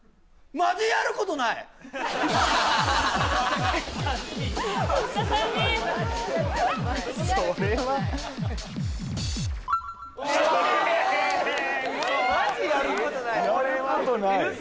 ・マジやることない嘘！